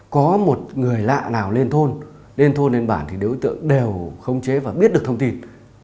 có một người lạ nào lên thôn lên thôn lên bản thì đối tượng đều khống chế và biết được thông tin